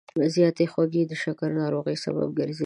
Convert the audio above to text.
زیاتې خوږې د شکر ناروغۍ سبب ګرځي.